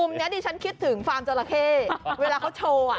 นี้ดิฉันคิดถึงฟาร์มจราเข้เวลาเขาโชว์